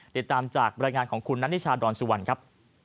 ติดตามจากบรรยายงานของคุณนัทนิชาดอนสุวรรณครับ